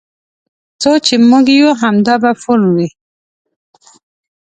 تر څو چې موږ یو همدا به فورم وي.